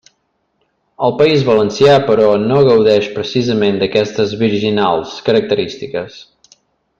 El País Valencià, però, no gaudeix precisament d'aquestes «virginals» característiques.